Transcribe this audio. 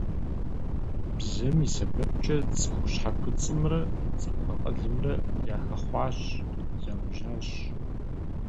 Бзэм и сэбэпкӀэ цӀыху щхьэ куцӀымрэ цӀыху акъылымрэ яхэхъуащ, заужьащ.